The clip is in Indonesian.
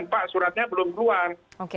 pak suratnya belum keluar